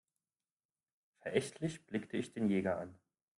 Verächtlich blickte ich den Jäger an.